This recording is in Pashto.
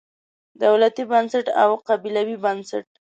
دولتي بنسټ او قبیلوي بنسټ.